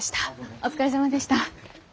お疲れさまでした。